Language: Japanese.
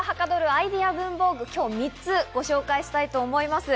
アイデア文房具、今日３つ、ご紹介したいと思います。